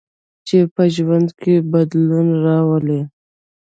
چې په ژوند کې بدلون راولي.